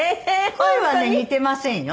声はね似てませんよ。